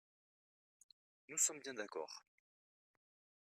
Nous sommes bien d’accord